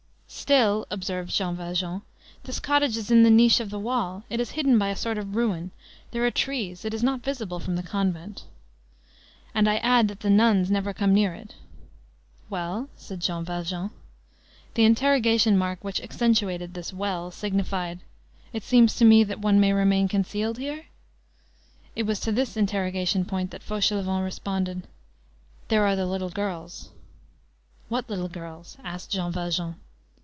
"Still," observed Jean Valjean, "this cottage is in the niche of the wall, it is hidden by a sort of ruin, there are trees, it is not visible from the convent." "And I add that the nuns never come near it." "Well?" said Jean Valjean. The interrogation mark which accentuated this "well" signified: "it seems to me that one may remain concealed here?" It was to this interrogation point that Fauchelevent responded:— "There are the little girls." "What little girls?" asked Jean Valjean.